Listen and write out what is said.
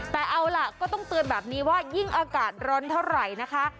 แต่เอาล่ะก็ต้องเตือนแบบนี้ว่ายิ่งอากาศร้อนเท่าไหร่นะคะ